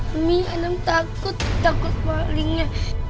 mami adam takut takut malingnya